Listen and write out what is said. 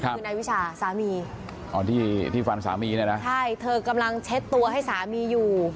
คือนายวิชาสามีอ๋อที่ที่ฟันสามีเนี่ยนะใช่เธอกำลังเช็ดตัวให้สามีอยู่